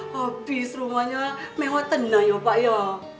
habis rumahnya mewah tenang ya pak ya